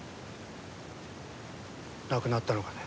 亡くなったのかね？